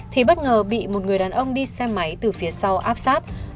thì bất ngờ bị một người đàn ông đi xe máy từ phía sau áp sát